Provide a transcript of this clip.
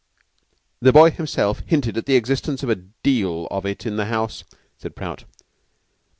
"The boy himself hinted at the existence of a deal of it in the house," said Prout.